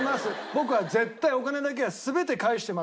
僕は絶対お金だけは全て返してますから。